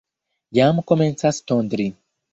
Jam komencas tondri.